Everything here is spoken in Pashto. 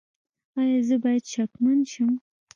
ایا زه باید شکمن شم؟